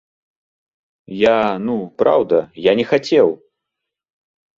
Я, ну, праўда, я не хацеў.